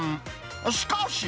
しかし。